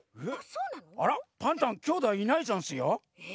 あらっパンタンきょうだいいないざんすよ。